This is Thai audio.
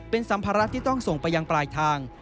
เป็นสัมภาระที่ต้องส่งไปยังปลายทาง